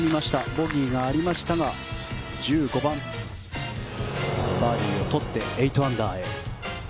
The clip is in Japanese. ボギーがありましたが１５番、バーディーを取って８アンダーへ。